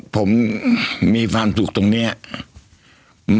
ผมจะมีรูปภาพของพระพิสุนุกรรม